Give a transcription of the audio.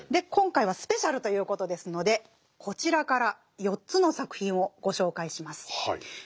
今回スペシャルということですのでこちらから４つの作品をご紹介します。